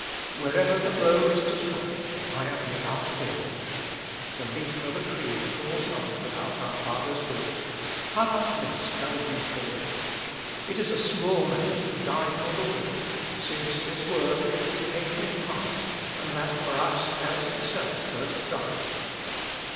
Wherever the blow is to strike, I am without fear. The leaf of a tree falls not without our Father's will. How much less shall we fall. It is a small matter to die for the Word, since this Word which became incarnate and that for us has itself first died.